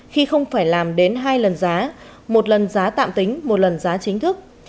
khi không phải làm đến hai lần giá một lần giá tạm tính một lần giá chính thức